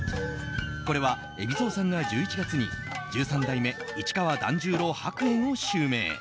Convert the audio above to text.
これは海老蔵さんが１１月に十三代目市川團十郎白猿を襲名。